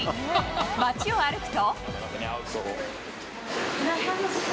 街を歩くと。